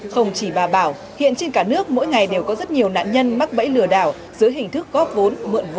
không chỉ bà bảo hiện trên cả nước mỗi ngày đều có rất nhiều nạn nhân mắc bẫy lừa đảo dưới hình thức góp vốn